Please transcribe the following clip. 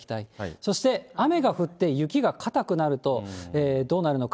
そして雨が降って、雪が硬くなると、どうなるのか。